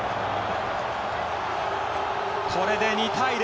これで２対０。